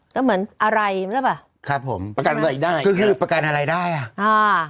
ก็เหมือนอะไรหรือเปล่าครับผมประกันอะไรได้ก็คือประกันอะไรได้อ่ะอ่า